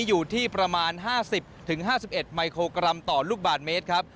อยู่ที่ประมาณ๕๐๕๑มิโครกรัมต่อลูกบาทเมตรครับ